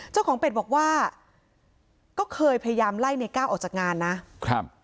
เจ้าของเป็ดบอกว่าก็เคยพยายามไล่ในก้าวออกจากงานนะครับ